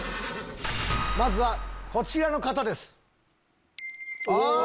まずはこちらの方です。